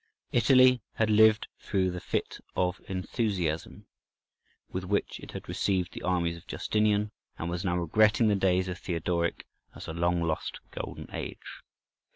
Italy had lived through the fit of enthusiasm with which it had received the armies of Justinian, and was now regretting the days of Theodoric as a long lost golden age.